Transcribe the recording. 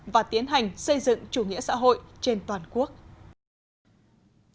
và tiến hành xây dựng chủ nghĩa xã hội trên toàn quốc